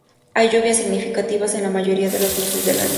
Hay lluvias significativas en la mayoría de los meses del año.